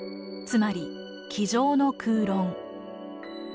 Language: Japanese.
つまり「机上の空論」。